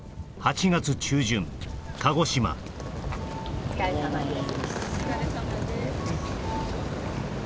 お疲れさまです